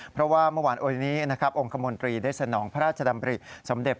เพราะว่าเมื่อวานโอยนี้นะครับองค์คมนตรีได้สนองพระราชดำริสมเด็จ